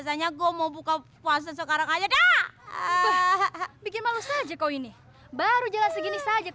sampai jumpa di video selanjutnya